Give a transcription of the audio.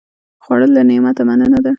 خوړل له نعمته مننه ده